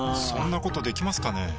そんなことできますかね？